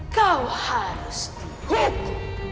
kau harus dihukum